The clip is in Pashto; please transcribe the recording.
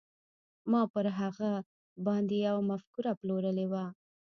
ما پر هغه باندې يوه مفکوره پلورلې وه.